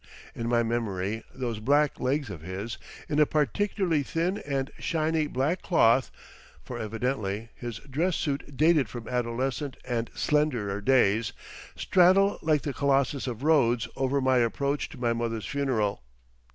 In my memory those black legs of his, in a particularly thin and shiny black cloth—for evidently his dress suit dated from adolescent and slenderer days—straddle like the Colossus of Rhodes over my approach to my mother's funeral.